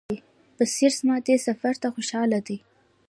بصیر زما دې سفر ته خوشاله دی.